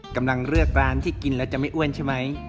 กำลังเลือกร้านที่กินแล้วจะไม่อ้วนใช่ไหม